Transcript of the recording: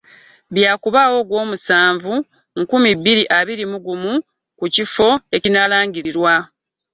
Bya kubaawo ogwomusanvu, nkumi bbiri abiri mu gumu ku kifo ekinaalangirirwa.